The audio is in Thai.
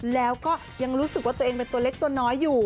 แล้วก็ยังรู้สึกว่าตัวเองเป็นตัวเล็กตัวน้อยอยู่